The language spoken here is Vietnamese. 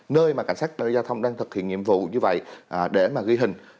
nơi mà cảnh sát giao thông đang thực hiện nhiệm vụ như vậy để mà ghi hình